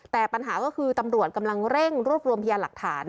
แต่ปัญหาก็คือตำรวจกำลังเร่งรวบรวมพยานหลักฐาน